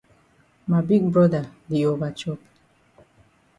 Ma big broda di over chop.